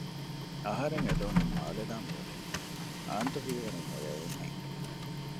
އަހަރެން އެދޯނިން މާލެ ދާން މިއުޅެނީ؟ އާންތު ހީވަނީ މޮޔައެއް ހެން